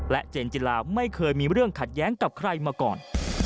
เจนจิลาไม่เคยมีเรื่องขัดแย้งกับใครมาก่อน